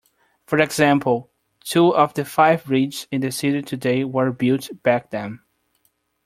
For example, two of the five bridges in the city today were built back then.